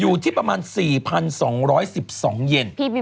อยู่ที่ประมาณ๔๒๑๒เย็น